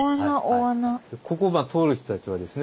ここを通る人たちはですね